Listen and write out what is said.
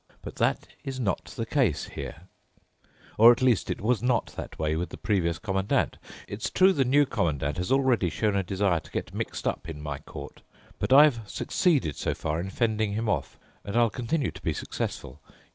But that is not the case here, or at least it was not that way with the previous Commandant. It's true the New Commandant has already shown a desire to get mixed up in my court, but I've succeeded so far in fending him off. And I'll continue to be successful.